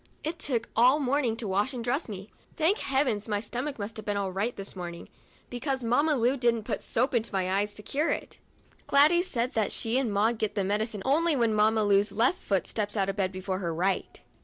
It took all morning to wash and dress me. Thank heaven, my stomach must 26 27 THE DIARY OF A BIRTHDAY DOLL have been all right this morning, because Mamma Lu didn't put soap into my eyes to cure it ! Gladys said that she and Maud get that medicine only when Mamma Lu's left foot steps out of bed before her right.